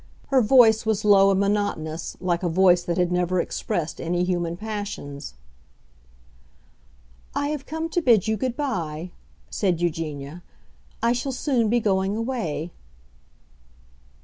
Her voice was low and monotonous, like a voice that had never expressed any human passions. "I have come to bid you good bye," said Eugenia. "I shall soon be going away."